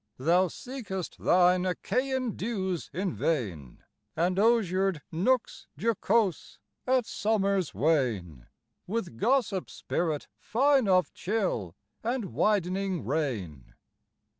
Thou seekest thine Achaian dews in vain, And osiered nooks jocose, at summer's wane, With gossip spirit fine of chill and widening rain.